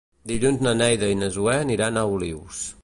Dilluns na Neida i na Zoè aniran a Olius.